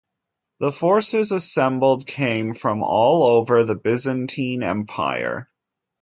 The forces assembled came from all over the Byzantine Empire.